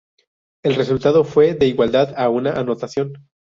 El resultado fue de igualdad a una anotación.